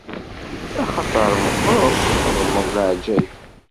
Axaṭer meqqreḍ, txeddmeḍ leɛǧayeb!